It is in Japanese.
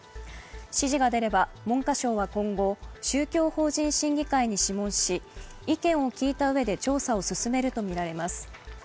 指示が出れば、文科省は今後、宗教法人審議会に諮問し意見を聞いたうえで調査を進めるとみられます。